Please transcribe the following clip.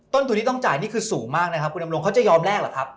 ต้นทุนที่ต้องจ่ายนี่คือสูงมากนะครับคุณดำรงเขาจะยอมแลกหรือครับ